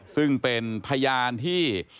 ซึ่งเป็นพยานที่